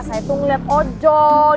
saya tuh ngeliat ojol